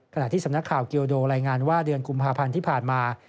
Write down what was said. ขณะที่สำนักข่าวเกียวโดรายงานว่าเดือนกุมภาพันธ์ที่ผ่านมา